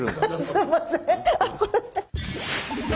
すいません！